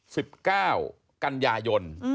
สิบเก้ากันยายน